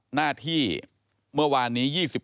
หน้าที่เมื่อวานนี้